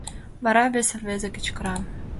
Вара вес рвезе кычкыра: